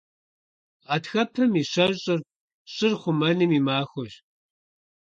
Гъэтхэпэм и щэщӏыр – щӏыр хъумэным и махуэщ.